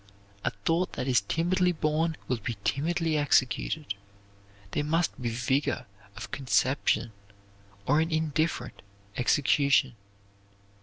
A thought that is timidly born will be timidly executed. There must be vigor of conception or an indifferent execution.